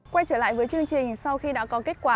quay trở lại với chương trình sau khi đã có kết quả